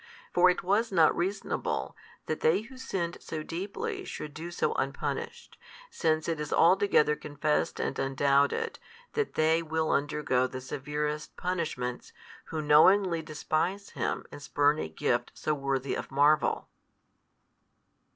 For it was not reasonable that they who sinned so deeply should do so unpunished; since it is altogether confessed and undoubted, that they will undergo the severest punishments, who knowingly despise Him and spurn a gift so worthy of marvel.